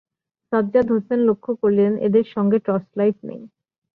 সাজ্জাদ হোসেন লক্ষ করলেন, এদের সঙ্গে টর্চলাইট নেই।